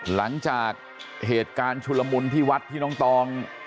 หลังจากเหตุการณ์ชุลมุนที่วัดที่น้องตอง